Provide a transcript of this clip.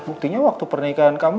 buktinya waktu pernikahan kamu